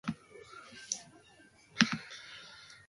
Ez zen gauza arrarorik izan?